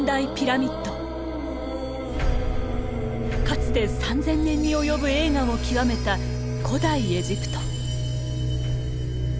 かつて３，０００年に及ぶ栄華を極めた古代エジプト。